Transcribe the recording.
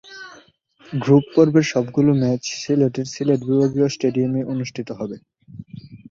Group পর্বের সবগুলি match সিলেটের সিলেট বিভাগীয় স্টেডিয়ামে অনুষ্ঠিত হবে।